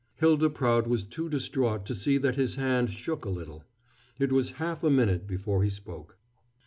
Hylda Prout was too distraught to see that his hand shook a little. It was half a minute before he spoke.